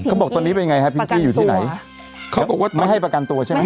เขาบอกว่าตอนนี้ไปยังไงฮะพิ้งกี้อยู่ที่ไหนไม่ให้ประกันตัวใช่ไหม